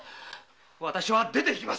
私は出て行きます。